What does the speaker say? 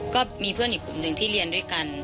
ก็มีเพื่อนอีกกลุ่มหนึ่งที่เรียนด้วยกัน